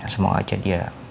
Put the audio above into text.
semoga aja dia